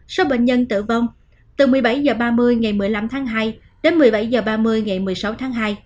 số bệnh nhân tử vong từ một mươi bảy h ba mươi ngày một mươi năm tháng hai đến một mươi bảy h ba mươi ngày một mươi sáu tháng hai